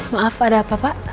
maaf ada apa pak